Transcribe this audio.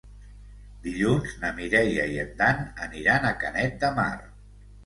Dilluns na Mireia i en Dan aniran a Canet de Mar.